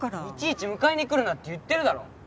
いちいち迎えに来るなって言ってるだろ？